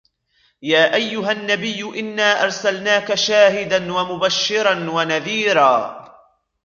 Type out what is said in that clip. يا أيها النبي إنا أرسلناك شاهدا ومبشرا ونذيرا